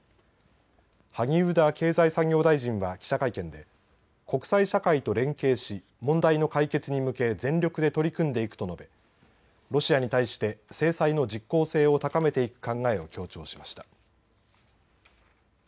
萩生田経済産業大臣は記者会見で国際社会と連携し問題の解決に向け全力で取り組んでいくと述べロシアに対して制裁の実効性を高めていく考えを強調しました。